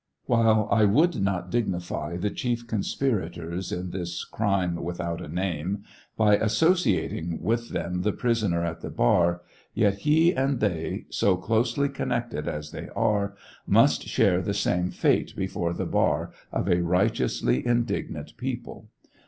While I would not dignify the chief conspirators in this crime without a name by associating with them the prisoner at the bar, yet he and they, so closely connected as they are, must share the same fate before the bar of a righteously indignant people.